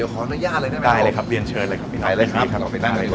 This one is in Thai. ได้เลยครับเลี้ยนเชิญอะไรครับ